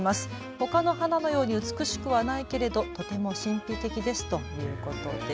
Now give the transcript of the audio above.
ほかの花のように美しくはないけれどとても神秘的ですということです。